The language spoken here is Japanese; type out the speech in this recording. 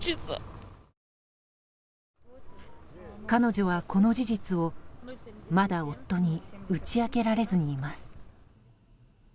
彼女はこの事実を、まだ夫に打ち明けられずにいます。